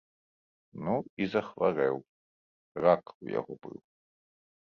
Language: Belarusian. Ну, і захварэў, рак у яго быў.